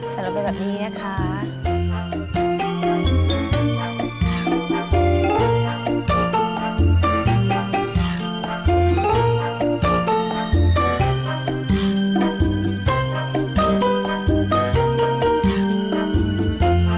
เสร็จแล้วไปแบบนี้นะคะ